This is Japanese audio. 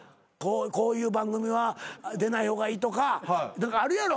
こういう番組は出ない方がいいとかあるやろ。